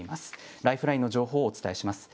ライフラインの情報をお伝えします。